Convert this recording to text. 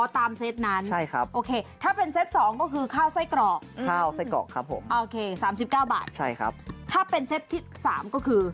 ถ้าเป็นเซตที่๓ก็คือ